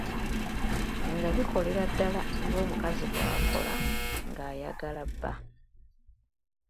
Nga bikolera ddala ng'omukazi bw'akola ng'ayagala bba.